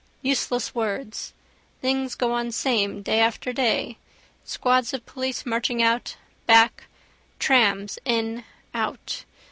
Useless words. Things go on same, day after day: squads of police marching out, back: trams in, out.